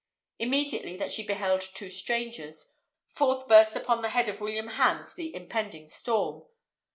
Immediately that she beheld two strangers, forth burst upon the head of William Hans the impending storm.